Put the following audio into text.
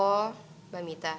oh mbak mita